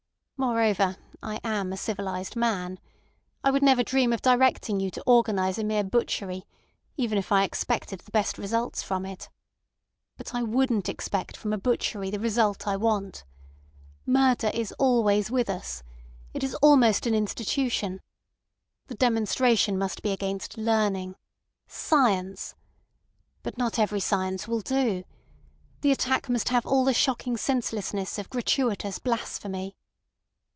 Moreover, I am a civilised man. I would never dream of directing you to organise a mere butchery, even if I expected the best results from it. But I wouldn't expect from a butchery the result I want. Murder is always with us. It is almost an institution. The demonstration must be against learning—science. But not every science will do. The attack must have all the shocking senselessness of gratuitous blasphemy.